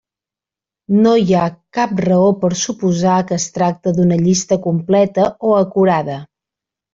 No hi ha cap raó per suposar que es tracta d'una llista completa o acurada.